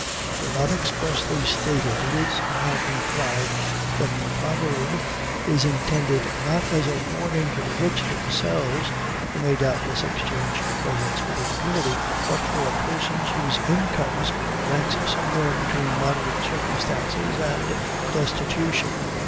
Though not expressly stated, it is somehow implied that the proverb is intended not as a warning to the rich themselves, who may doubtless exchange presents with impunity, but for persons whose incomes rank somewhere between "moderate circumstances" and destitution.